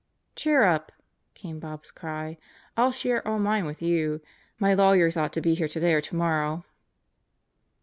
"Cheer up!" came Bob's cry. "I'll share all mine with you. My lawyers ought to be here today or tomorrow.